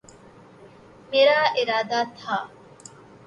میرا ارادہ تھا